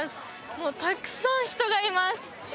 もうたくさん人がいます